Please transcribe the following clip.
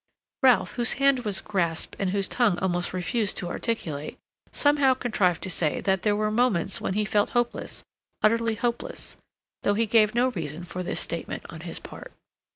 Ralph, whose hand was grasped and whose tongue almost refused to articulate, somehow contrived to say that there were moments when he felt hopeless, utterly hopeless, though he gave no reason for this statement on his part.